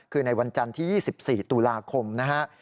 คือในวันจันทร์ที่๒๔ตุลาคมนะฮะ